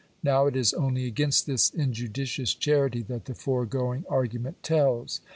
Now it is only against this injudicious charity that the foregoing argument tells.